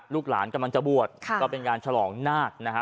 ลูกหลานกำลังจะบัวนี่เป็นการฉลองนาติ